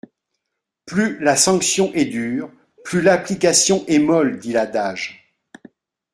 Plus la sanction est dure, plus l’application est molle, dit l’adage.